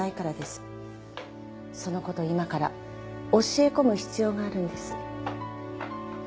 その事を今から教え込む必要があるんです。